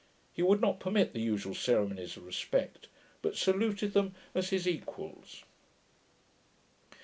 He would not permit the usual ceremonies of respect, but saluted them as his equals.